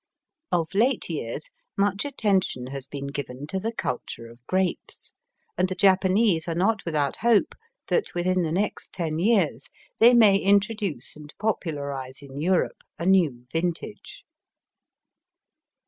Of late years VOL. I. 16 Digitized by VjOOQIC 242 EAST BT WEST. much attention has been given to the culture of grapes, and the Japanese are not without hope that within the next ten years they may introduce and popularize in Europe a new vintage.